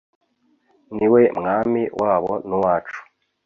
niwe Mwami wabo n'uwacu